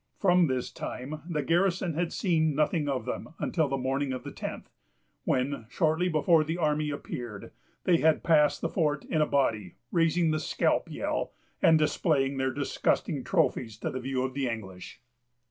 From this time, the garrison had seen nothing of them until the morning of the tenth, when, shortly before the army appeared, they had passed the fort in a body, raising the scalp yell, and displaying their disgusting trophies to the view of the English.